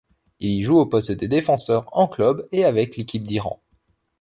Il joue au poste de défenseur en club et avec l'équipe d'Iran.